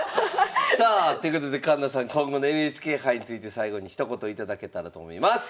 さあということで環那さん今後のＮＨＫ杯について最後にひと言頂けたらと思います！